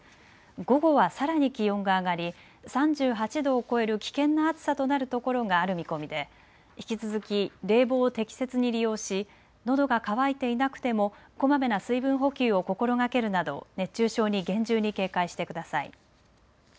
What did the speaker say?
午後はさらに気温が上がり３８度を超える危険な暑さとなる所がある見込みで引き続き冷房を適切に利用し、のどが乾いていなくてもこまめな水分補給を心がけるなど熱中症に厳重に警戒してください。